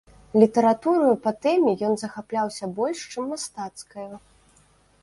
Літаратураю па тэме ён захапляўся больш, чым мастацкаю.